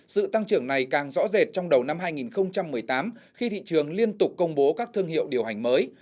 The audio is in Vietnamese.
sự tăng trưởng này càng rõ rệt trong đầu năm hai nghìn một mươi tám khi thị trường liên tục công bố các thương hiệu điều hành mới